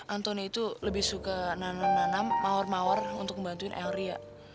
antoni itu lebih suka nanam nanam mawar mawar untuk membantuin eoria